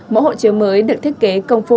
mẫu hộ chiếu mới được thiết kế công phu